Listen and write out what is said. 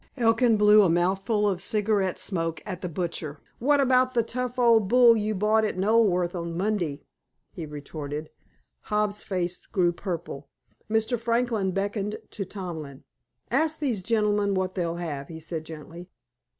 Elkin blew a mouthful of cigarette smoke at the butcher. "What about that tough old bull you bought at Knoleworth on Monday?" he retorted. Hobbs's face grew purple. Mr. Franklin beckoned to Tomlin. "Ask these gentlemen what they'll have," he said gently.